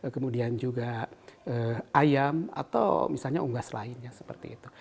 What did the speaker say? kemudian juga ayam atau misalnya unggas lainnya seperti itu